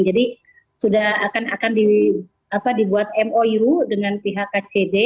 jadi sudah akan dibuat mou dengan pihak kcd